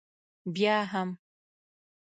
بیا هم.